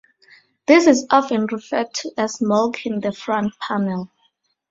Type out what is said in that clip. This is often referred to as milking the front panel.